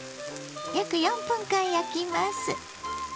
約４分間焼きます。